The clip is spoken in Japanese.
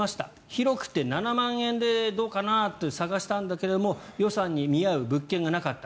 広くて７万円でどうかなと探したんだけれども予算に見合う物件がなかった。